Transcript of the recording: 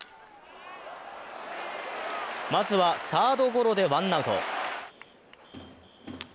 まずはサードゴロでワンアウト。